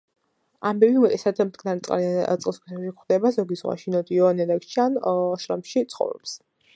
ამებები უმეტესად მტკნარწყლიან წყალსატევებში გვხვდება, ზოგი ზღვაში, ნოტიო ნიადაგში ან შლამში ცხოვრობს.